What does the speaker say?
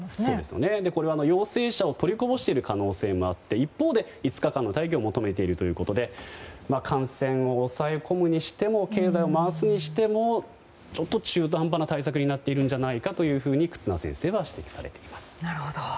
これは陽性者を取りこぼしている可能性もあって一方で５日間の待機を求めているということで感染を抑え込むにしても経済を回すにしてもちょっと中途半端な対策になっているんじゃないかと忽那先生は指摘されています。